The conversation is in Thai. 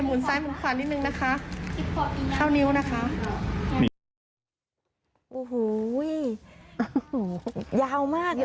หมุนซ้ายหมุนขวานนิดหนึ่งนะคะเข้านิ้วนะคะ